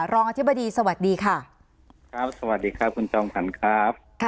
อธิบดีสวัสดีค่ะครับสวัสดีครับคุณจอมขวัญครับ